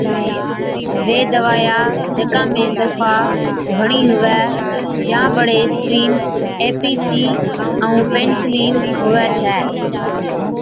وي دَوائِيا جڪا ۾ سلفا گھڻِي هُوَي يان بڙي اِسپرِين اي، پِي سِي ائُون پنسلين هُوَي ڇَي۔